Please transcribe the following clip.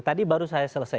tadi baru saya selesai